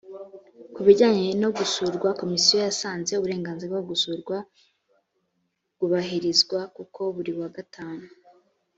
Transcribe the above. ku bijyanye no gusurwa komisiyo yasanze uburenganzira bwo gusurwa bwubahirizwa kuko buri wa gatanu